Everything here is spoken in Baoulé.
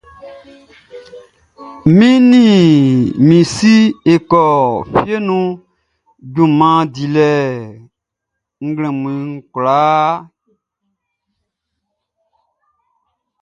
N ni mi si e kɔ fie nun junman dilɛ nglɛmun kwlaa.